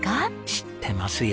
知ってますよ。